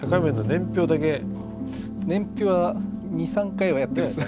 年表は２３回はやってるっす。